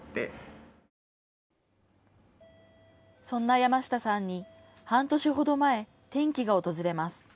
そんな山下さんに半年ほど前、転機が訪れます。